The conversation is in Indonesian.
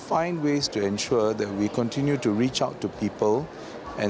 kita harus mencari cara untuk memastikan kita terus mencari orang orang